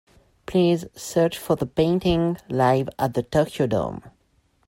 Please search for the painting Live at the Tokyo Dome.